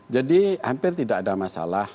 jadi hampir tidak ada masalah